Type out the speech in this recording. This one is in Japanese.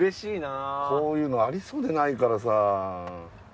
こういうのありそうでないからさ。